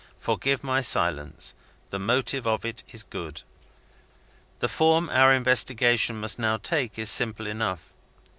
Forgive my silence; the motive of it is good. "The form our investigation must now take is simple enough.